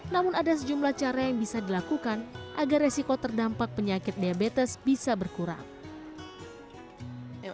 namun ada sejumlah cara yang bisa dilakukan agar resiko terdampak penyakit diabetes bisa berkurang